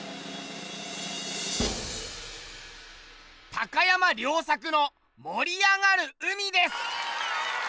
高山良策の「盛りあがる海」です。